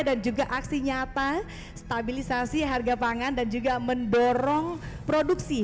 dan juga aksi nyata stabilisasi harga pangan dan juga mendorong produksi